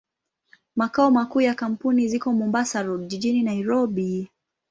Makao makuu ya kampuni ziko Mombasa Road, jijini Nairobi.